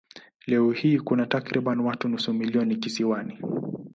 Leo hii kuna takriban watu nusu milioni kisiwani.